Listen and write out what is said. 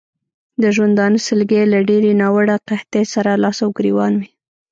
د ژوندانه سلګۍ له ډېرې ناوړه قحطۍ سره لاس او ګرېوان وې.